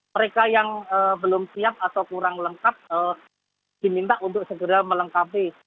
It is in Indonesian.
mereka yang belum siap atau kurang lengkap diminta untuk segera melengkapi